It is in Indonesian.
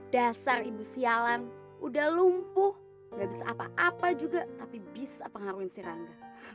dasar ibu sialan udah lumpuh gak bisa apa apa juga tapi bisa pengaruhi si rangga